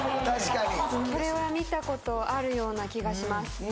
確かにこれは見たことあるような気がします